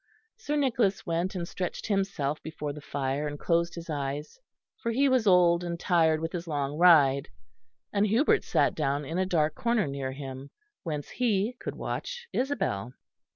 Sir Nicholas went and stretched himself before the fire, and closed his eyes, for he was old, and tired with his long ride; and Hubert sat down in a dark corner near him whence he could watch Isabel.